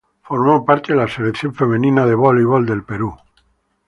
Formó parte de la Selección femenina de voleibol del Perú.